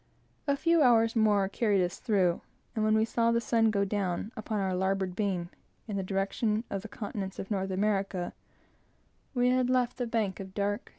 A few hours more carried us through, and when we saw the sun go down, upon our larboard beam, in the direction of the continent of North America, we had left the bank of dark, stormy clouds astern, in the twilight.